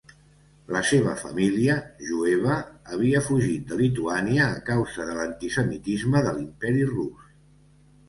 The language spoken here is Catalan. La seva família, jueva, havia fugit de Lituània a causa de l'antisemitisme de l'Imperi Rus.